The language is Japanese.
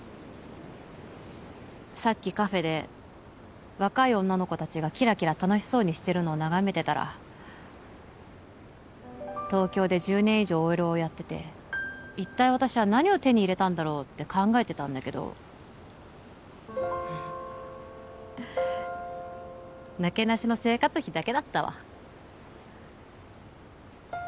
さっきカフェで若い女の子達がキラキラ楽しそうにしてるのを眺めてたら東京で１０年以上ＯＬをやってて一体私は何を手に入れたんだろうって考えてたんだけどフフなけなしの生活費だけだったわ